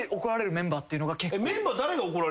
メンバー誰が怒られやすいの？